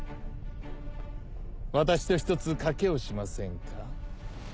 私と１つ賭けをしませんか？